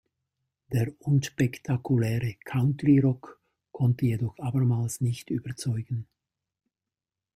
Der unspektakuläre Countryrock konnte jedoch abermals nicht überzeugen.